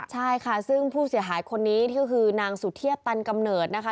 ใช่ค่ะซึ่งผู้เสียหายคนนี้ก็คือนางสุเทพตันกำเนิดนะคะ